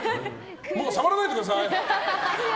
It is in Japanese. もうしゃべらないでください。